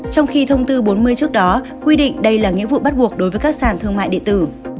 trong khi thông tư bốn mươi trước đó quy định đây là nghĩa vụ bắt buộc đối với các sản thương mại điện tử